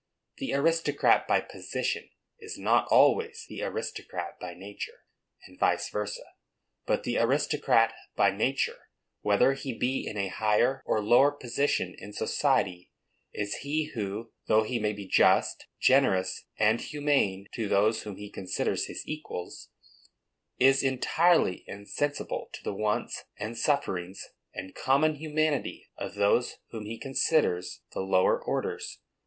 The aristocrat by position is not always the aristocrat by nature, and vice versa; but the aristocrat by nature, whether he be in a higher or lower position in society, is he who, though he may be just, generous and humane, to those whom he considers his equals, is entirely insensible to the wants, and sufferings, and common humanity, of those whom he considers the lower orders.